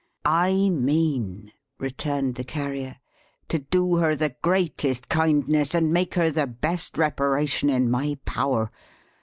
"I mean," returned the Carrier, "to do her the greatest kindness, and make her the best reparation, in my power.